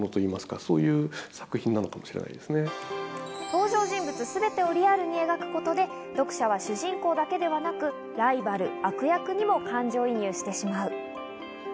登場人物すべてをリアルに描くことで読者は主人公だけではなく、ライバル、悪役にも感情移入してしまう。